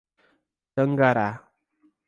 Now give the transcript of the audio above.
Tangará